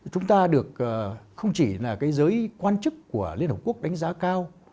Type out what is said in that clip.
chúng ta được không chỉ là giới quan chức của liên hợp quốc đánh giá cao